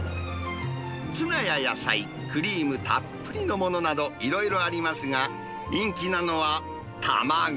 ツナや野菜、クリームたっぷりのものなど、いろいろありますが、人気なのは、卵。